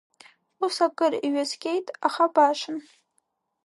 Ус акыр иҩаскьеит, аха башан…